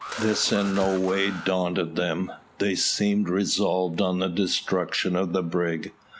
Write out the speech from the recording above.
This in no way daunted them. They seemed resolved on the destruction of the brig.